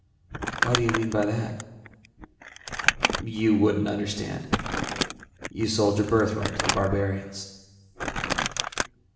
"What do you mean by that?" "You wouldn't understand. You sold your birthright to the barbarians."